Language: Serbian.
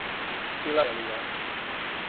филателија